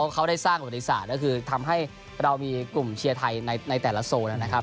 เขาได้สร้างประวัติศาสตร์ก็คือทำให้เรามีกลุ่มเชียร์ไทยในแต่ละโซนนะครับ